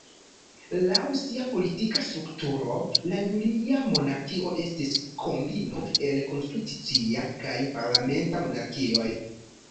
Laŭ sia politika strukturo la julia monarkio estis kombino el konstitucia kaj parlamenta monarkioj.